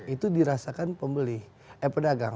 itu dirasakan pedagang